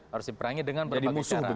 harus diperangi dengan berbagai cara